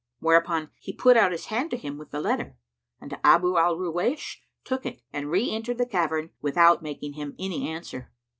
Whereupon he put out his hand to him with the letter, and Abu al Ruwaysh took it and re entered the cavern, without making him any answer.